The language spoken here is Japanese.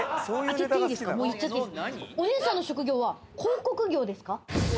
お姉さんの職業は広告業ですか？